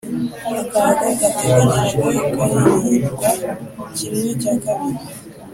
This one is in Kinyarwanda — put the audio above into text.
akaga gateganijwe karirindwa kimwe cya kabiri.